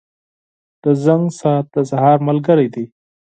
• د زنګ ساعت د سهار ملګری دی.